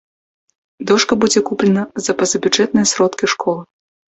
Дошка будзе куплена за пазабюджэтныя сродкі школы.